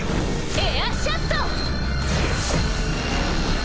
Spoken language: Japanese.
エアシャット！